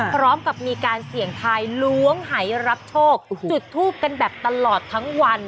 พร้อมกับมีการเสี่ยงทายล้วงหายรับโชคจุดทูปกันแบบตลอดทั้งวัน